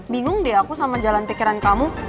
bingung deh aku sama jalan pikiran kamu